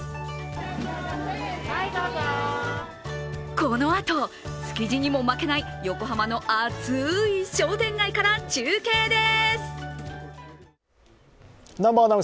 このあと、築地にも負けない横浜の熱い商店街から中継です。